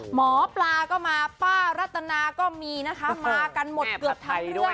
หมอปลาก็มาป้ารัตนาก็มีนะคะมากันหมดเกือบทั้งเรื่อง